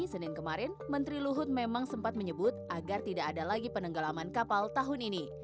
senin kemarin menteri luhut memang sempat menyebut agar tidak ada lagi penenggelaman kapal tahun ini